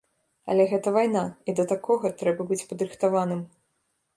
Але гэта вайна, і да такога трэба быць падрыхтаваным.